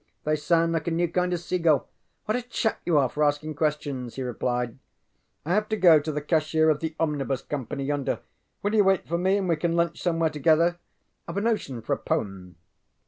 They sound like a new kind of seagull. What a chap you are for asking questions! ŌĆØ he replied. ŌĆ£I have to go to the cashier of the Omnibus Company yonder. Will you wait for me and we can lunch somewhere together? IŌĆÖve a notion for a poem.